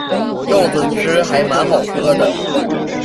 柚子汁还蛮好喝的